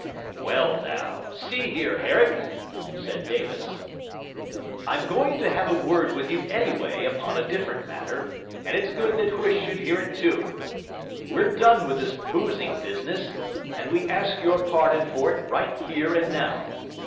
'Well now, see here, Herrick,' said Davis, 'I'm going to have a word with you anyway upon a different matter, and it's good that Huish should hear it too. We're done with this boozing business, and we ask your pardon for it right here and now.